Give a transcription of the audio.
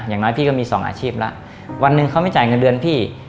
อย่างน้อยพี่ก็มีสองอาชีพแล้ววันหนึ่งเขาไม่จ่ายเงินเดือนพี่